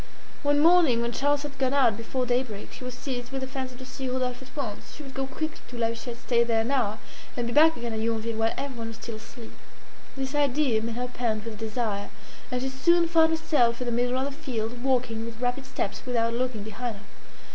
One morning, when Charles had gone out before day break, she was seized with the fancy to see Rodolphe at once. She would go quickly to La Huchette, stay there an hour, and be back again at Yonville while everyone was still asleep. This idea made her pant with desire, and she soon found herself in the middle of the field, walking with rapid steps, without looking behind her.